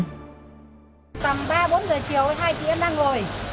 tầm ba bốn giờ chiều hai chị em đang ngồi